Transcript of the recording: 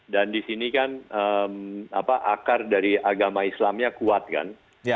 dan di sini kan akar dari agama islamnya kuat kan